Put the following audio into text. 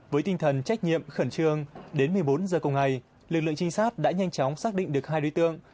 với tinh thần trách nhiệm khẩn trương đến một mươi bốn giờ cùng ngày lực lượng trinh sát đã nhanh chóng xác định được hai đối tượng